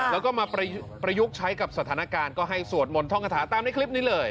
แล้วก็มาประยุกต์ใช้กับสถานการณ์ก็ให้สวดมนต์ท่องกระถาตามในคลิปนี้เลย